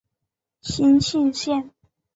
新兴线